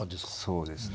そうですね。